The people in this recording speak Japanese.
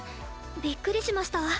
びっくりしました。